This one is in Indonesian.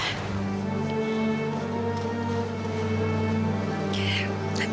kok dia nangis